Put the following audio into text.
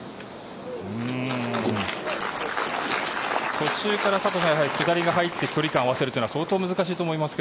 途中から佐藤さん下りが入って距離感を合わせるというのは相当難しいと思いますが。